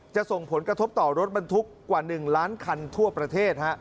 ส่งผลกระทบต่อรถบรรทุกกว่า๑ล้านคันทั่วประเทศ